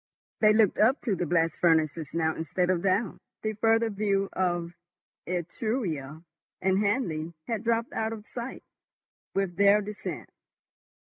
They looked up to the blast furnaces now instead of down; the further view of Etruria and Hanley had dropped out of sight with their descent.